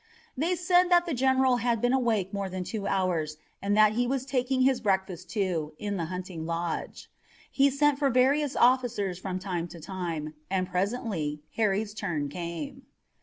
They said that the general had been awake more than two hours and that he was taking his breakfast, too, in the hunting lodge. He sent for various officers from time to time, and presently Harry's turn came.